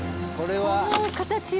この形は。